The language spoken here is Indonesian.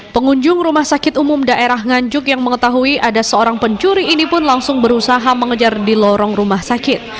pengunjung rumah sakit umum daerah nganjuk yang mengetahui ada seorang pencuri ini pun langsung berusaha mengejar di lorong rumah sakit